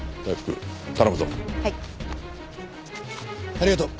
ありがとう。